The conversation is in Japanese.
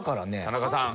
田中さん。